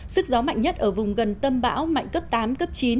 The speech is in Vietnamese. sức gió mạnh nhất ở vùng gần tâm bão mạnh cấp tám cấp chín